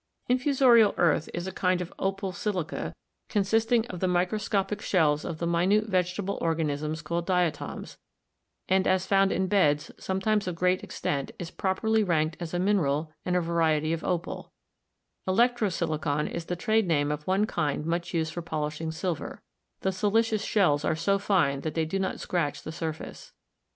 Infusorial earth is a kind of opal silica consisting DESCRIPTIVE MINERALOGY 275 of the microscopic shells of the minute vege table organisms called diatoms, and as found in beds some times of great extent is properly ranked as a mineral and a variety of opal; electro silicon is the trade name of one kind much used for polishing silver: the siliceous shells are so fine that they do not scratch the surface.